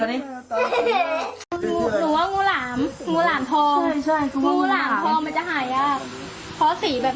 ขอพูดตรงเนี้ย